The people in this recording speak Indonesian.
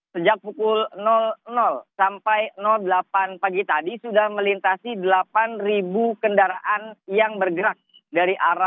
sejak pukul sampai delapan pagi tadi sudah melintasi delapan kendaraan yang bergerak dari arah